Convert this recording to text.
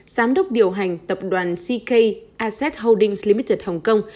giám đốc điều hành tập đoàn ck asset holdings limited hồng kông